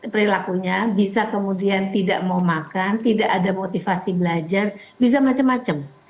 perilakunya bisa kemudian tidak mau makan tidak ada motivasi belajar bisa macam macam